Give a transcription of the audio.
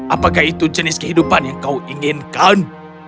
apakah itu jenis kehidupan yang kau inginkan